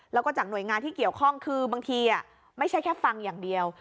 แล้วก็จากหน่วยงานที่เกี่ยวข้องคือบางทีไม่ใช่แค่ฟังอย่างเดียว